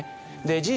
事実